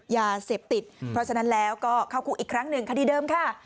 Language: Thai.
ยาเสพติดเพราะฉะนั้นแล้วก็เข้าคุกอีกครั้งหนึ่งคดีเดิมค่ะ